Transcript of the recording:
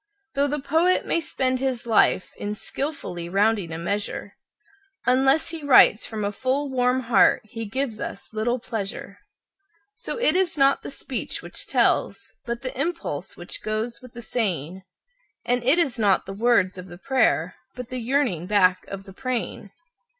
Though the poet may spend his life in skilfully rounding a measure, Unless he writes from a full, warm heart he gives us little pleasure. So it is not the speech which tells, but the impulse which goes with the saying; And it is not the words of the prayer, but the yearning back of the praying.